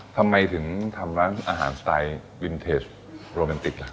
ทำไมถึงทำร้านอาหารสไตล์วินเทจโรแมนติกล่ะ